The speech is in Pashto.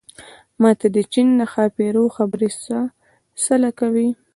ما ته د چين د ښاپېرو خبرې څه له کوې